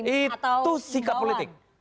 itu sikap politik